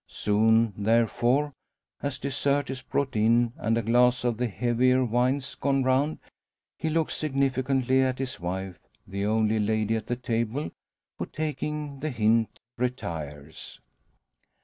Soon, therefore, as dessert is brought in, and a glass of the heavier wines gone round, he looks significantly at his wife the only lady at the table who, taking the hint, retires.